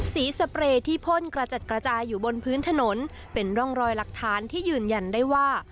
สเปรย์ที่พ่นกระจัดกระจายอยู่บนพื้นถนนเป็นร่องรอยหลักฐานที่ยืนยันได้ว่า